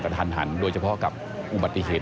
พบหน้าลูกแบบเป็นร่างไร้วิญญาณ